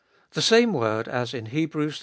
The same word as in Heb. Hi.